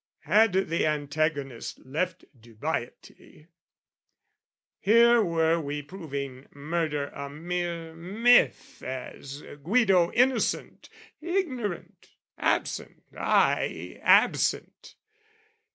Had the antagonist left dubiety, Here were we proving murder a mere myth, And Guido innocent, ignorant, absent, ay, Absent!